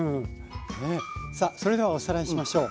さあそれではおさらいしましょう。